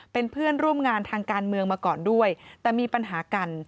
เป็นเพื่อนร่วมงานทางการเมืองมาก่อนด้วยแต่มีปัญหากัน